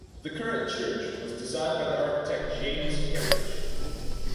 The current church was designed by the architect James Kerridge.